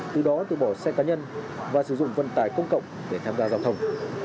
từ đó từ bỏ xe cá nhân và sử dụng vận tải công cộng để tham gia giao thông